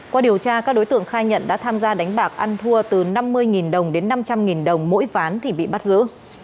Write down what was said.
qua điều tra các đối tượng khai nhận đã tham gia đánh bạc ăn thua từ năm mươi đồng đến năm trăm linh đồng mỗi ván thì bị bắt giữ